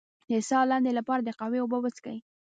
د ساه لنډۍ لپاره د قهوې اوبه وڅښئ